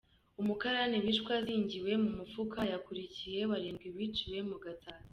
Umukarani wishwe azingiwe mu mufuka, yakurikiye Barindwi biciwe mu Gatsata